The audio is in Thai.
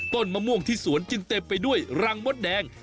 มะม่วงที่สวนจึงเต็มไปด้วยรังมดแดง